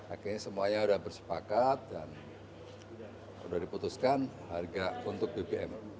akhirnya semuanya sudah bersepakat dan sudah diputuskan harga untuk bbm